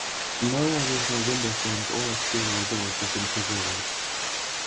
No original window frames or exterior doors have been preserved.